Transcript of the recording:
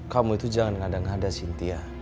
kamu itu jangan ngada ngada cynthia